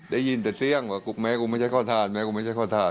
ได้ยินแต่เสียงว่าแม้กูไม่ใช่ข้อทานแม้กูไม่ใช่ข้อถ่าน